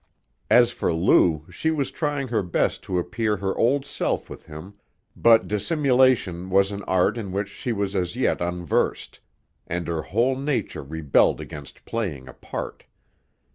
As for Lou, she was trying her best to appear her old self with him, but dissimulation was an art in which she was as yet unversed, and her whole nature rebelled against playing a part.